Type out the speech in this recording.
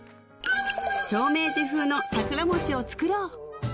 長命寺風の桜餅を作ろう！